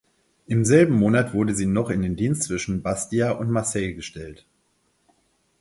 Im selben Monat wurde sie noch in den Dienst zwischen Bastia und Marseille gestellt.